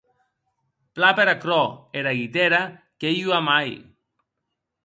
Plan per aquerò, era guitèra qu’ei ua mair.